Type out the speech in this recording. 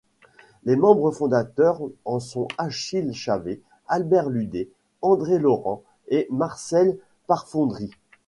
Les membres fondateurs en sont Achille Chavée, Albert Ludé, André Lorent et Marcel Parfondry.